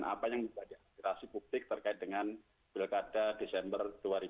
apa yang berada di aspirasi publik terkait dengan bilkada desember dua ribu dua puluh